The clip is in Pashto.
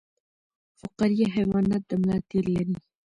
فقاریه حیوانات د ملا تیر لري